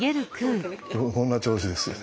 こんな調子ですよね。